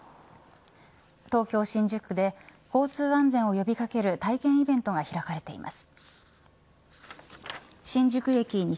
東京新宿で交通安全を呼び掛ける体験イベントが開かれています。